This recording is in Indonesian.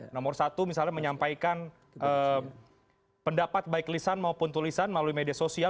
nomor satu misalnya menyampaikan pendapat baik lisan maupun tulisan melalui media sosial